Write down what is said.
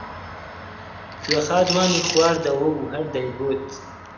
کوێخا دوانی خواردەوە و هەر دەیگوت: